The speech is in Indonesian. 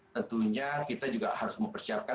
tentunya kita juga harus mempersiapkan